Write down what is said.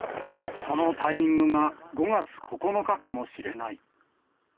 そのタイミングが５月９日かもしれない。